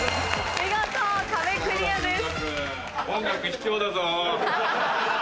見事壁クリアです。